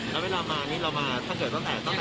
แล้วเวลามานี่เรามาถ้าเกิดตั้งแต่ตั้งแต่น้ำ